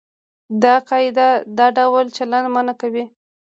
دا قاعده دا ډول چلند منع کوي.